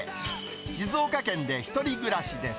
静岡県で１人暮らしです。